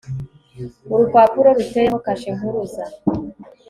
urupapuro ruteyeho kashe mpuruza